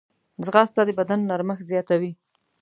ځغاسته د بدن نرمښت زیاتوي